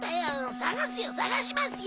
捜すよ捜しますよ。